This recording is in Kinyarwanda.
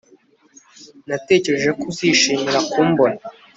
Natekereje ko uzishimira kumbona